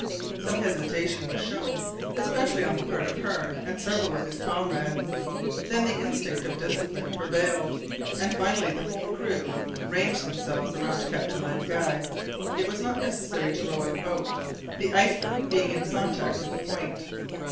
Some hesitation was shown especially on the part of Hearne and several of his comrades. Then the instinct of discipline prevailed, and finally the whole crew ranged themselves around Captain Len Guy. It was not necessary to lower the boat, the iceberg being in contact with the point.